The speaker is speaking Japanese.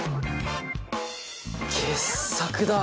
傑作だ！